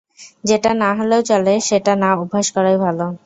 যেটা না হলেও চলে সেটা না অভ্যাস করাই ভালো।